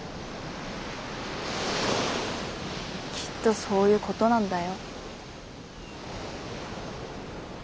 きっとそういうことなんだよ。